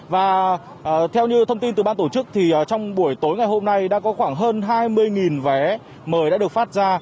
và theo như thông tin từ ban tổ chức thì trong buổi tối ngày hôm nay đã có khoảng hơn hai mươi vé mời đã được phát ra